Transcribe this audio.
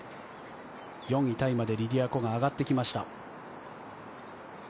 ４位タイまでリディア・コが上がってきました。